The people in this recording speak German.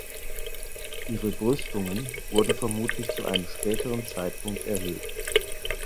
Ihre Brüstungen wurden vermutlich zu einem späteren Zeitpunkt erhöht.